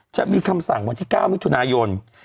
จะมีคำสั่งวันที่๙มิถุนายน